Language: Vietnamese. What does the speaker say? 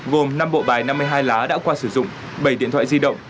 gồm năm bộ bài năm mươi hai lá đã qua sử dụng bảy điện thoại di động